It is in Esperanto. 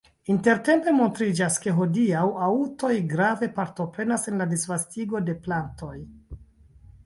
Intertempe montriĝas, ke hodiaŭ aŭtoj grave partoprenas en la disvastigo de plantoj.